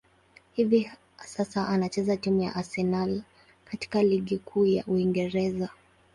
Hivi sasa, anachezea timu ya Arsenal katika ligi kuu ya Uingereza.